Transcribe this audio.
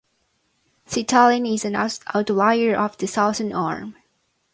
Seatallan is an outlier of the southern arm.